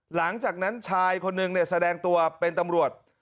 หลังจากนั้นชายคนนึงแสดงตัวเป็นตำรวจ